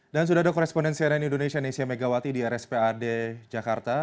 dan sudah ada korespondensi dari indonesia indonesia megawati di rspad jakarta